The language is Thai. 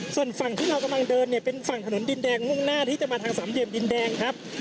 ส่วนฝั่งที่เรากำลังเดินเนี่ยเป็นฝั่งถนนดินแดงมุ่งหน้าที่จะมาทางสามเหลี่ยมดินแดงครับ